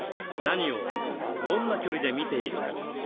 何をどんな距離で見ているか。